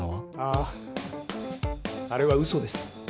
ああれは嘘です。